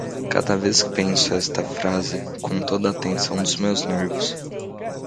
Cada vez que penso esta frase com toda a atenção dos meus nervos